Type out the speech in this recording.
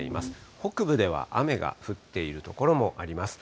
北部では雨が降っている所もあります。